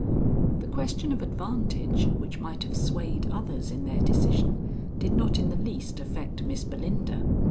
The question of advantage which might have swayed others in their decision, did not in the least affect Miss Belinda.